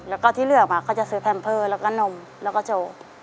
แล้วก็ที่เหลือมาเขาจะซื้อแพมเพอร์แล้วก็นมแล้วก็โจ